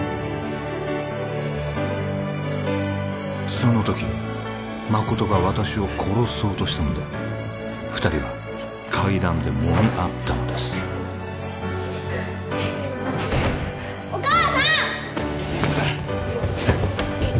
その時誠が私を殺そうとしたので２人は階段でもみ合ったのですお母さん！